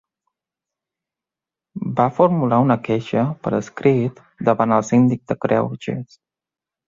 Va formular una queixa per escrit davant el síndic de greuges.